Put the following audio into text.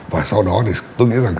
và sau đó tôi nghĩ rằng